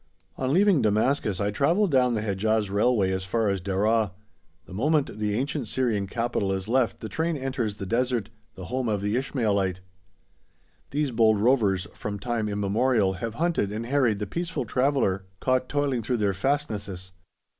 On leaving Damascus I travelled down the Hedjaz Railway as far as Deraa. The moment the ancient Syrian capital is left the train enters the desert, the home of the Ishmaelite. These bold rovers, from time immemorial, have hunted and harried the peaceful traveller caught toiling through their fastnesses.